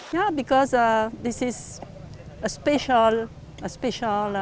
ini adalah perhubungan istimewa